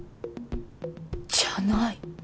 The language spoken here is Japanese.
じゃない。